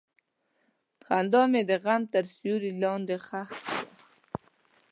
خندا مې د غم تر سیوري لاندې ښخ شوه.